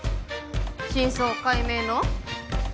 真相解明の。